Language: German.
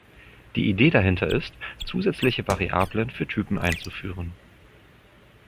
Die Idee dahinter ist, zusätzliche Variablen für Typen einzuführen.